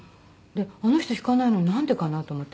あの人弾かないのになんでかなと思って。